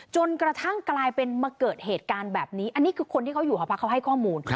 จนกระทั่งกลายเป็นมาเกิดเหตุการณ์แบบนี้อันนี้คือคนที่เขาอยู่หอพักเขาให้ข้อมูล